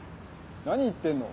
何言ってんの。